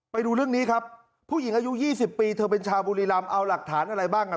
ไปดูเรื่องนี้ครับผู้หญิงอายุ๒๐ปีเธอเป็นชาวบุรีรำเอาหลักฐานอะไรบ้างอ่ะ